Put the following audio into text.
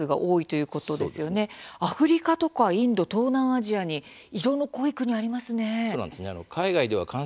アフリカとかインド東南アジアに色の濃い国がありますよね。